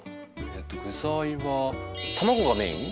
えっと具材は卵がメイン？